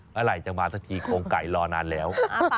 เมื่อไหร่จะมาสักทีโครงไก่รอนานแล้ว